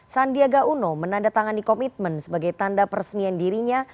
sandiaga uno menandatangani komitmen sebagai tanda peresmian dirinya